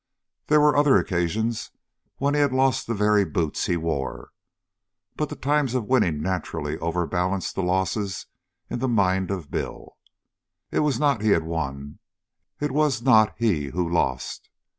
There were other occasions when he had lost the very boots he wore, but the times of winning naturally overbalanced the losses in the mind of Bill. It was not he who won, and it was not he who lost.